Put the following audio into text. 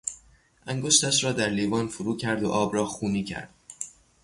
انگشتش را در لیوان فرو کرد و آب را خونی کرد.